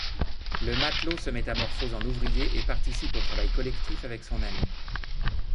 Le matelot se métamorphose en ouvrier et participe au travail collectif avec son amie.